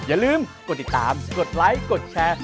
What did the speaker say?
อย่าลืมกดติดตามกดไลค์กดแชร์